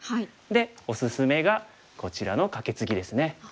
でおすすめがこちらのカケツギですね。